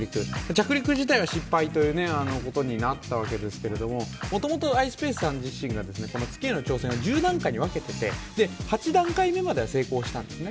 着陸自体は失敗ということになったわけですけれども、もともとｉｓｐａｃｅｓさん自身が月への挑戦を十何回に分けていて８段階目までは成功したんですね。